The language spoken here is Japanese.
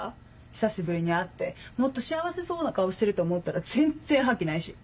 久しぶりに会ってもっと幸せそうな顔してると思ったら全然覇気ないし。